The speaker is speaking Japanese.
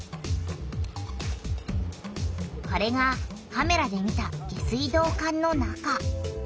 これがカメラで見た下水道管の中。